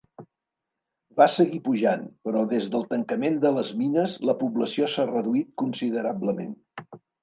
Va seguir pujant però des del tancament de les mines la població s'ha reduït considerablement.